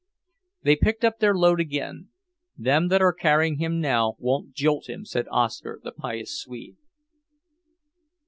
They picked up their load again. "Them that are carrying him now won't jolt him," said Oscar, the pious Swede.